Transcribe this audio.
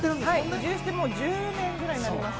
移住して１０年になります。